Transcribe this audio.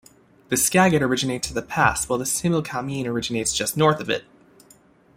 The Skagit originates at the pass while the Similkameen originates just north of it.